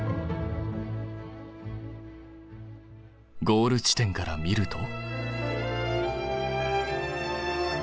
ゴール地点から見ると。